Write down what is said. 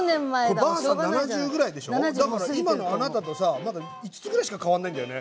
だから今のあなたとさ５つぐらいしか変わんないんだよね。